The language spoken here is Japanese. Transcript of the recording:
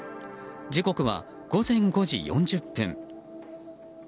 時刻は午前５時４０分。